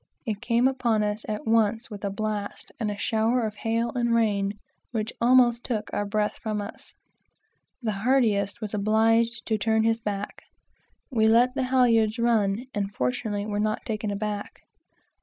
It came upon us at once with a blast, and a shower of hail and rain, which almost took our breath from us. The hardiest was obliged to turn his back. We let the halyards run, and fortunately were not taken aback.